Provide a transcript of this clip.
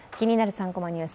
３コマニュース」。